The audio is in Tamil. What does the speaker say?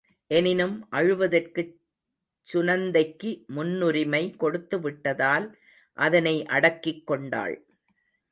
எனினும் அழுவதற்குச் சுநந்தைக்கு முன்னுரிமை கொடுத்து விட்டதால் அதனை அடக்கிக் கொண்டாள்.